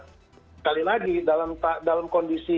sekali lagi dalam kondisi